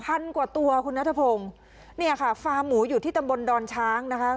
พันกว่าตัวคุณนัทพงศ์เนี่ยค่ะฟาร์มหมูอยู่ที่ตำบลดอนช้างนะคะ